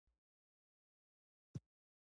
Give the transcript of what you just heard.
دا فایروال مشکوک ترافیک بندوي.